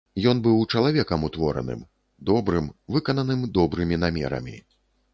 Ён быў чалавекам утвораным, добрым, выкананым добрымі намерамі.